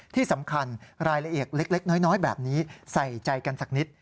ที่สำคัญรายละเอียดเล็กน้อยแบบนี้ใส่ใจกันสักนิด